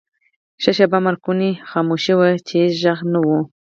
ښه شیبه مرګونې خاموشي وه، چې هېڅ ږغ نه و.